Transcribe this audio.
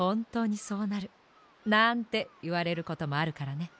なんていわれることもあるからね。